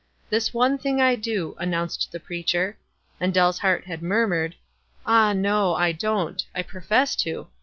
"This one thing I do," announced the preacher, and Dell's heart had murmured, "Ah, no; I don't. I profess to.